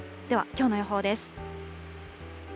では、きょうの予報です。